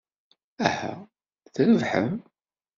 Aha, trebḥem.